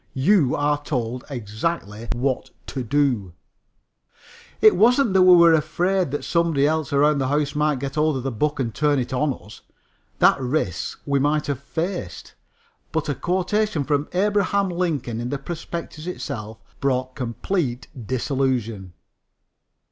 You are told exactly what to do." It wasn't that we were afraid that somebody else around the house might get hold of the book and turn it on us. That risk we might have faced. But a quotation from Abraham Lincoln in the prospectus itself brought complete disillusion.